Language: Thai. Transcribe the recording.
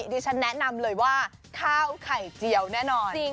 ดิฉันแนะนำเลยว่าข้าวไข่เจียวแน่นอน